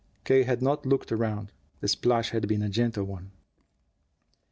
K. had not looked around. The splash had been a gentle one.